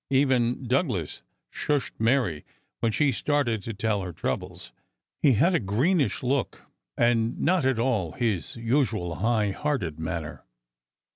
Even Douglas shushed Mary when she started to tell her troubles. He had a greenish look, and not at all his usual high hearted manner.